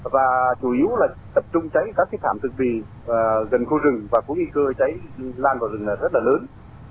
và chủ yếu là tập trung cháy các thiết phạm thực vị gần khu rừng và có nghi cơ cháy lan vào rừng rất là lớn